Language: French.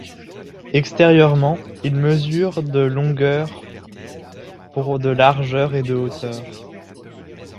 Extérieurement, il mesure de longueur pour de largeur et de hauteur.